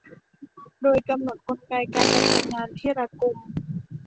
โดยกำหนดกลไกการดำเนินงานที่รัดกุม